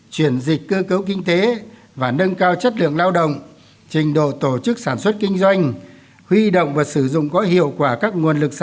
chuyển dịch cơ cấu kinh tế và nâng cao chất lượng lao động trình độ tổ chức sản xuất kinh doanh huy động và sử dụng có hiệu quả các nguồn lực xã